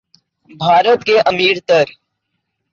بھارت کے امیر تر